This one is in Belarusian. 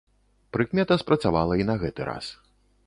Прыкмета спрацавала і на гэты раз.